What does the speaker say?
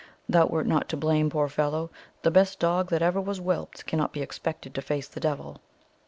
"Thou wert not to blame, poor fellow! The best dog that ever was whelped cannot be expected to face the devil."